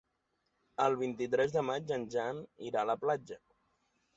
El vint-i-tres de maig en Jan irà a la platja.